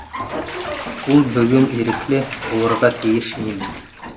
Ул бөгөн ирекле... булырға тейеш ине бит.